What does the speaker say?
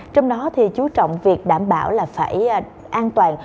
trong đó chú trọng việc đảm bảo phải an toàn